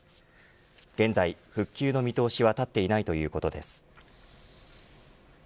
現在、復旧の見通しは立っていないということです。